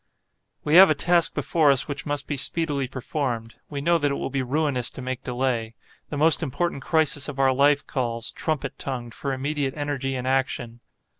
We have a task before us which must be speedily performed. We know that it will be ruinous to make delay. The most important crisis of our life calls, trumpet tongued, for immediate energy and action.